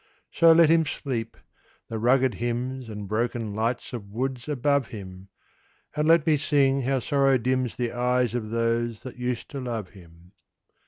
So let him sleep, the rugged hymns And broken lights of woods above him! And let me sing how sorrow dims The eyes of those that used to love him.